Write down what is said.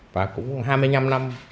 và cũng hai mươi năm năm